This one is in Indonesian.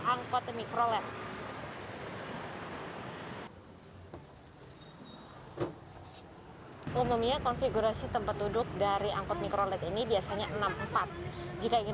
angkot mikrolet umumnya konfigurasi tempat duduk dari angkot mikrolet ini biasanya enam empat jika ingin